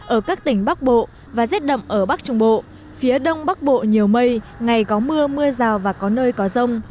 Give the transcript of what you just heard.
ở các tỉnh bắc bộ và rét đậm ở bắc trung bộ phía đông bắc bộ nhiều mây ngày có mưa mưa rào và có nơi có rông